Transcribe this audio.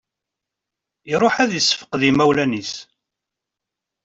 Iruḥ ad issefqed imawlan-is.